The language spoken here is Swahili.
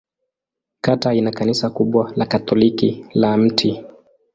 Kata ina kanisa kubwa la Katoliki la Mt.